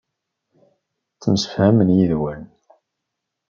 Ttemsefhamen yid-wen.